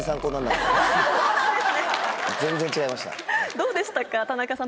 どうでしたか？